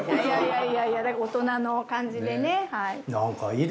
いやいや大人の感じでねはい。